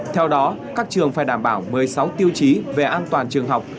theo đó các trường phải đảm bảo một mươi sáu tiêu chí về an toàn trường học